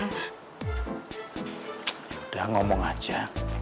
yaudah ngomong aja